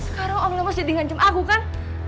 sekarang om lemos jadi ngancung aku kan